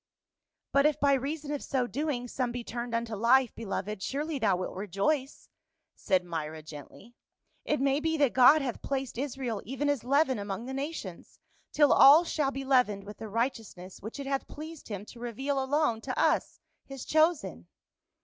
" But if by reason of so doing, some be turned unto life, beloved, surely thou wilt rejoice," said Myra gently.. " It may be that God hath placed Israel even as leaven among the nations, till all shall be leavened with the righteousness which it hath pleased him to reveal alone to us, his chosen."